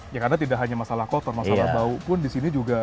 ya karena tidak hanya masalah kotor masalah bau pun di sini juga